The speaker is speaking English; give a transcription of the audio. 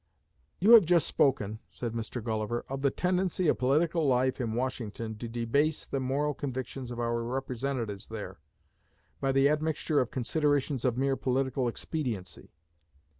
"You have just spoken," said Mr. Gulliver, "of the tendency of political life in Washington to debase the moral convictions of our representatives there, by the admixture of considerations of mere political expediency.